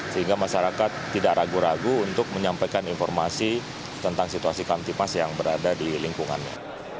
sehingga masyarakat tidak ragu ragu untuk menyampaikan informasi tentang situasi kamtipas yang berada di lingkungannya